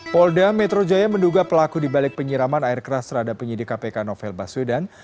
polda metro jaya menduga pelaku dibalik penyiraman air keras terhadap penyidik kpk novel baswedan